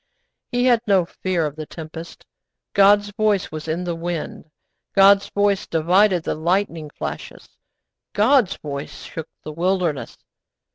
He had no fear of the tempest. God's voice was in the wind; God's voice divided the lightning flashes; God's voice shook the wilderness.